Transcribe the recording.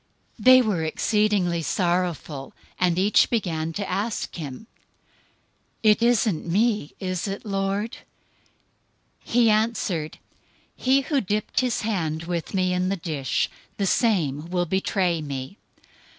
026:022 They were exceedingly sorrowful, and each began to ask him, "It isn't me, is it, Lord?" 026:023 He answered, "He who dipped his hand with me in the dish, the same will betray me.